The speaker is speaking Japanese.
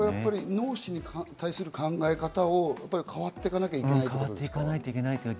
脳死に対する考え方を変わっていかなきゃいけないってことですか？